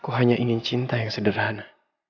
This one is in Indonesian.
aku hanya ingin cinta yang sederhana